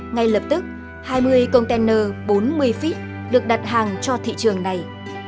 ngay lập tức hai mươi container bốn mươi feet được đặt hàng cho thị trường này